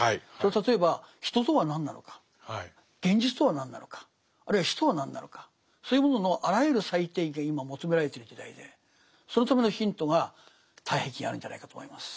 例えば人とは何なのか現実とは何なのかあるいは死とは何なのかそういうもののあらゆる再定義が今求められてる時代でそのためのヒントが「太平記」にあるんじゃないかと思います。